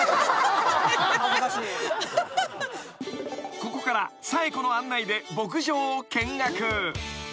［ここから紗栄子の案内で牧場を見学］